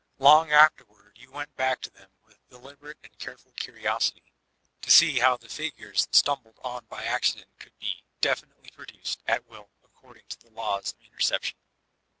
Long afterward you went back to them with deliberate and careful curiosity, to see how the figures stumbled on by accident could bo definitely produced, at will, according to the laws of inter ception.